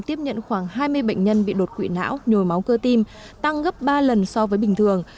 tiếp nhận khoảng hai mươi bệnh nhân bị đột quỵ não nhồi máu cơ tim tăng gấp ba lần so với bình thường